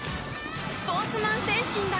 スポーツマン精神だ！